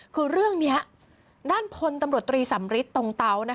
คือเรื่องนี้ด้านพลตำรวจตรีสำริทตรงเตา